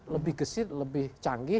lebih gesit lebih canggih